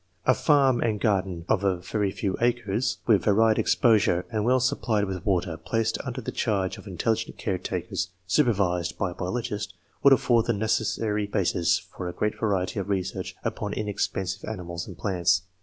A farm and garden of a very few acres, with varied exposure, and well supplied with water, placed under the charge of intelligent caretakers, supervised by a biologist, would afford the necessary basis for a great variety of research upon in expensive animals and plants.